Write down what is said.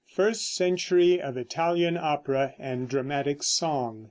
FIRST CENTURY OF ITALIAN OPERA AND DRAMATIC SONG.